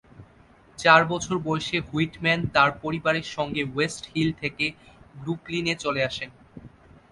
চার বছর বয়সে হুইটম্যান তার পরিবারের সঙ্গে ওয়েস্ট হিলস থেকে ব্রুকলিনে চলে আসেন।